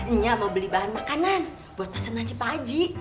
ini aku mau beli bahan makanan buat pesenannya pak haji